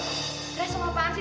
lah semua apaan sih